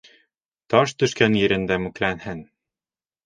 Таш төшкән ерендә мүкләнһен.